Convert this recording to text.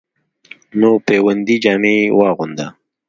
نو پیوندي جامې واغوندۀ،